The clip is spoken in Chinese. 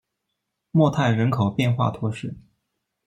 莫泰人口变化图示